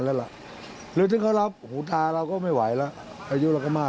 ตอนแรกพวกในท่าเขาแก่เขาก็บอกว่า